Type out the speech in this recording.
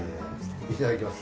いただきます。